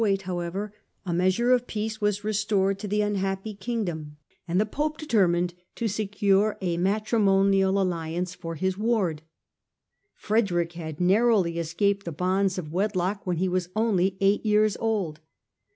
By 1208, however, a measure of peace was restored to the unhappy Kingdom, and the Pope determined to secure a matrimonial alliance for his ward. Frederick had nar rowly escaped the bonds of wedlock when only eight years old.